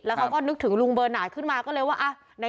เขาก็นึกถึงลุงเบอร์หน่าขึ้นมาก็เลยว่า